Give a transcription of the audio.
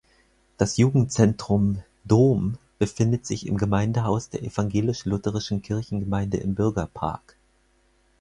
Das Jugendzentrum „Dom“ befindet sich im Gemeindehaus der evangelisch-lutherischen Kirchengemeinde im Bürgerpark.